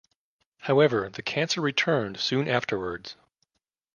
However, the cancer returned soon afterwards.